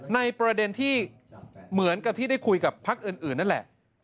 ในประเด็นที่เหมือนกับที่ได้คุยกับพักอื่นนั่นแหละ